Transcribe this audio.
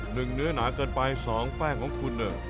หนึ่งเนื้อหนาเกินไปสองแป้งของคุณ